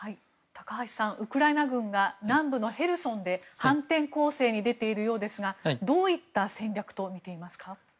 高橋さん、ウクライナ軍が南部のヘルソンで反転攻勢に出ているようですがどういった戦略と見ていますか？